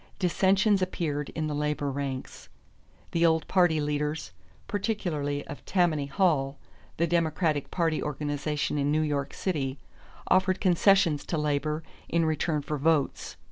Dissensions appeared in the labor ranks. The old party leaders, particularly of Tammany Hall, the Democratic party organization in New York City, offered concessions to labor in return for votes.